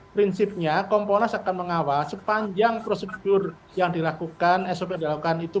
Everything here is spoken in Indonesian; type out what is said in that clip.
prinsipnya komponas akan mengawal sepanjang prosedur yang dilakukan esok ada lakukan itu